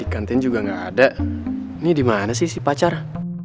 emang mungkin gak ada play bond jadi welfare